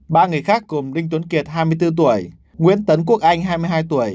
ba người khác cùng linh tuấn kiệt hai mươi bốn tuổi nguyễn tấn quốc anh hai mươi hai tuổi